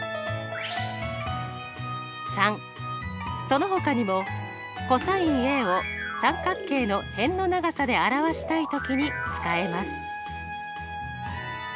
③そのほかにもｃｏｓＡを三角形の辺の長さで表したいときに使えます。